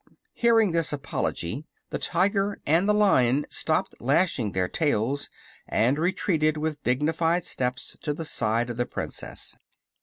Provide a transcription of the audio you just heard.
Hearing this apology the Tiger and the Lion stopped lashing their tails and retreated with dignified steps to the side of the Princess.